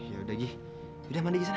ya udah gi udah mandi di sana